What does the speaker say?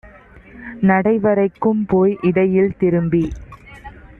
நடைவரைக் கும்போய் இடையில் திரும்பி